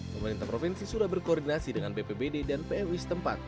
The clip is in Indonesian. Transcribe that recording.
pemerintah provinsi sudah berkoordinasi dengan bpbd dan pws tempat